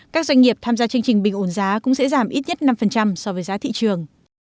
các doanh nghiệp tham gia chương trình bình ổn giá cũng sẽ giảm ít nhất năm so với giá thị trường